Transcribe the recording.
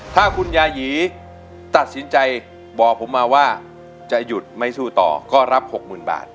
ถ้าคุณยายีตัดสินใจบอกผมมาว่าจะหยุดไม่สู้ต่อก็รับ๖๐๐๐บาท